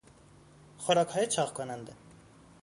خوراکهای چاق کننده